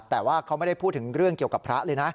แต่ว่าเขาไม่ได้พูดถึงเรื่องเกี่ยวกับพระเลยนะ